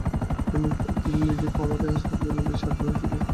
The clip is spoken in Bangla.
তিনি নিজেই ক্ষমতায় আসার জন্য বেশি আগ্রহী ছিলেন।